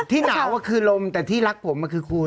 ที่หนาวก็คือลมแต่ที่รักผมคือคุณ